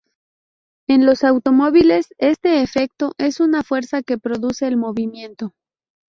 En los automóviles este efecto es una fuerza que produce el movimiento.